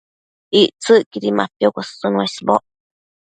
Ictsëcquidi mapiocosën uesboc